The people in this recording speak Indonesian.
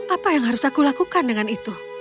apa yang harus aku lakukan dengan itu